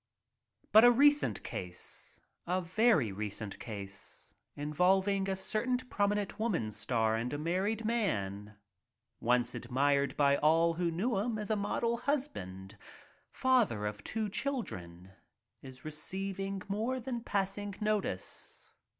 But a recent case, a very recent case, a certain prominent woman star and a married man, once admired by all who knew him as a model hus band — father of two children — is receiving more than passing notice.